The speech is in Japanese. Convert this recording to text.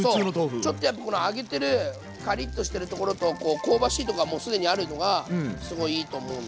ちょっとやっぱこの揚げてるカリッとしてるところと香ばしいとこはもう既にあるのがすごいいいと思うんで。